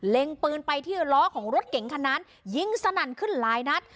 ปืนไปที่ล้อของรถเก๋งคันนั้นยิงสนั่นขึ้นหลายนัด